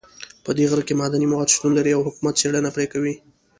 په دې غره کې معدني مواد شتون لري او حکومت څېړنه پرې کوي